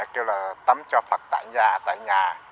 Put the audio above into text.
kêu là tắm cho phật tại nhà tại nhà